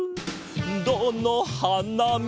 「どのはなみても」